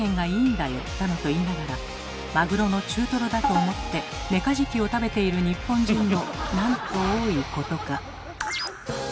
だのと言いながらマグロの中トロだと思ってメカジキを食べている日本人のなんと多いことか。